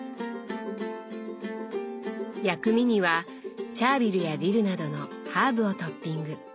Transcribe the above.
薬味にはチャービルやディルなどのハーブをトッピング。